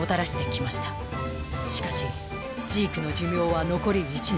しかしジークの寿命は残り１年。